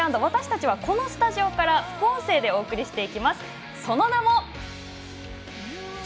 フランス対ニュージーランド私たちは、このスタジオから副音声でお送りしていきます。